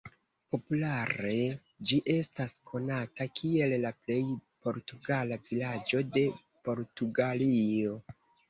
Populare ĝi estas konata kiel la""plej portugala vilaĝo de Portugalio"".